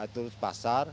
turun ke pasar